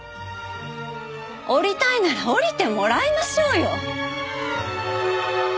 降りたいなら降りてもらいましょうよ。